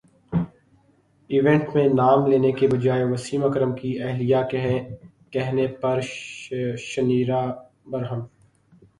event میں نام لینے کے بجائے وسیم اکرم کی اہلیہ کہنے پر شنیرا برہم